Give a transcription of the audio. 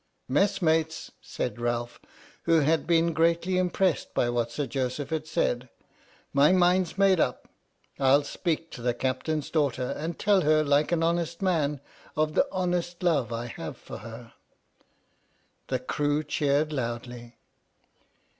" Messmates," said Ralph, who had been greatly impressed by what Sir Joseph had said, " my mind's made up. I'll speak to the Captain's daughter, and tell her, like an honest man, of the honest love I have for her! " The crew cheered loudly.